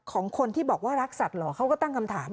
ของคนที่บอกว่ารักสัตว์เหรอเขาก็ตั้งคำถาม